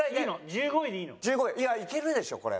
１５位いやいけるでしょこれ。